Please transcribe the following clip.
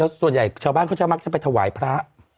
ส่วนใหญ่ชาวบ้านเขาจะมักจะไปถวายพระ